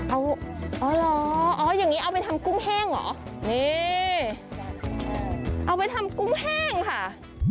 เอาอย่างนี้เอาไปทำกุ้งแห้งหรอนี่เอาไปทำกุ้งแห้งค่ะ